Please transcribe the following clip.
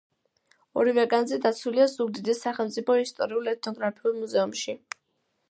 ორივე განძი დაცულია ზუგდიდის სახელმწიფო ისტორიულ-ეთნოგრაფიულ მუზეუმში.